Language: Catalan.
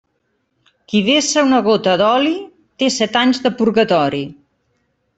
Qui vessa una gota d'oli, té set anys de purgatori.